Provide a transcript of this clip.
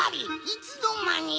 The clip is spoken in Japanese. いつのまに？